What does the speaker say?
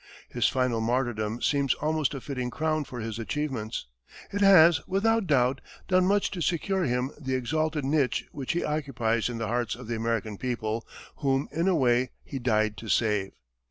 His final martyrdom seems almost a fitting crown for his achievements. It has, without doubt, done much to secure him the exalted niche which he occupies in the hearts of the American people, whom, in a way, he died to save.